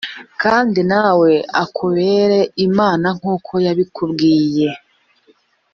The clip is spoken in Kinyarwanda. kandi na we akubere imana nk’uko yabikubwiye,